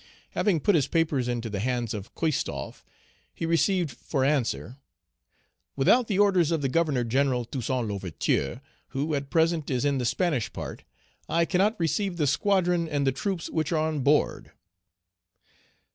Having put his papers into the hands of Christophe, he received for answer, "Without the orders of the Governor General, Toussaint L'Ouverture, who at present is in the Spanish part, I cannot receive the squadron and the troops which are on board."